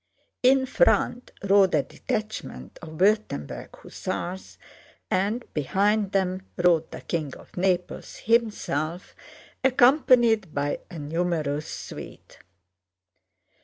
In front rode a detachment of Württemberg hussars and behind them rode the King of Naples himself accompanied by a numerous suite.